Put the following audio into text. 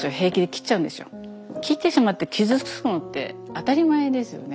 切ってしまって傷つくのって当たり前ですよね。